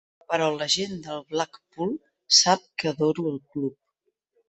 Però la gent de Blackpool sap que adoro el club.